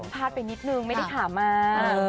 พาดไปนิดนึงไม่ได้ถามมา